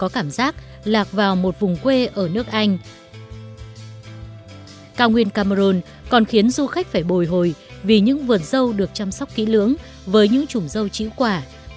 cameron còn khiến du khách phải bồi hồi vì những vườn dâu được chăm sóc kỹ lưỡng với những chủng dâu chữ quả